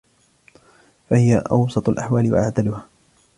فَهِيَ أَوْسَطُ الْأَحْوَالِ وَأَعْدَلُهَا